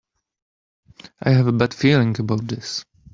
I have a bad feeling about this!